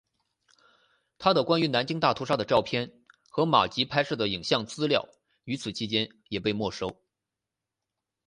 他的关于南京大屠杀的照片和马吉拍摄的影像资料与此期间也被没收。